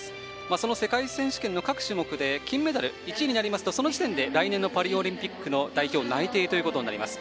その世界選手権の各種目で金メダル、１位になりますとその時点で来年のパリオリンピックの代表内定となります。